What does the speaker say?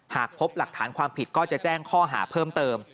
หากพบหลักฐานความผิดก็จะแจ้งข้อหาเพิ่มเติม